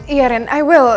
iya ren i will